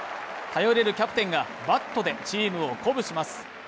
頼れるキャプテンがバットでチームを鼓舞します。